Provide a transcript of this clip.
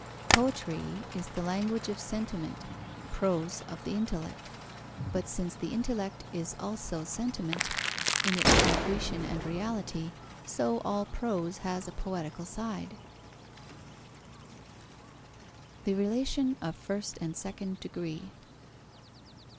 Poetry is the language of sentiment; prose of the intellect; but since the intellect is also sentiment, in its concretion and reality, so all prose has a poetical side. _The relation of first and second degree.